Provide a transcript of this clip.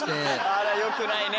あらよくないね。